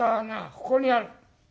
ここにある。